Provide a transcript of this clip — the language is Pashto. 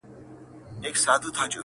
دا د بازانو د شهپر مېنه ده!.